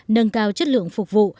nâng cao chất lượng phục vụ